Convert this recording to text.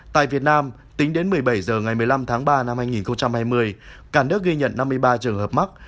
tại việt nam tính đến một mươi bảy h ngày một mươi năm tháng ba năm hai nghìn hai mươi cả nước ghi nhận năm mươi ba trường hợp mắc